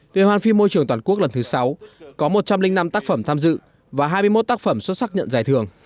liên hoan phim môi trường toàn quốc lần thứ sáu có một trăm linh năm tác phẩm tham dự và hai mươi một tác phẩm xuất sắc nhận giải thưởng